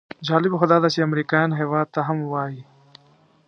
جالبه خو داده چې امریکایان هېواد ته هم وایي.